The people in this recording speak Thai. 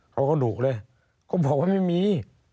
เขาก็หนูเลยก็บอกว่าไม่มี